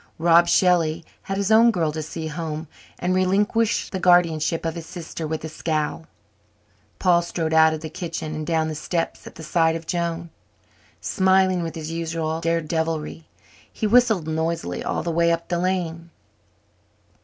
Rob Shelley had his own girl to see home and relinquished the guardianship of his sister with a scowl. Paul strode out of the kitchen and down the steps at the side of Joan, smiling with his usual daredeviltry. He whistled noisily all the way up the lane.